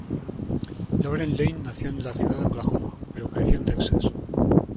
Lauren Lane nació en la ciudad de Oklahoma, pero creció en Texas.